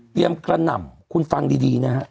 กระหน่ำคุณฟังดีนะฮะ